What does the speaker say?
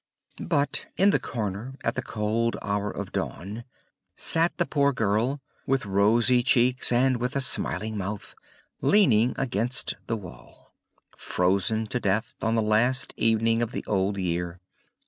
But in the corner, at the cold hour of dawn, sat the poor girl, with rosy cheeks and with a smiling mouth, leaning against the wall frozen to death on the last evening of the old year.